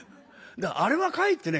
あれはかえってね